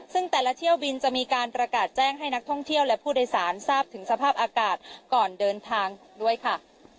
ซึ่งแต่ละเที่ยวบินจะมีการประกาศแจ้งให้นักท่องเที่ยวและผู้โดยสารทราบถึงสภาพอากาศก่อนเดินทางด้วยค่ะ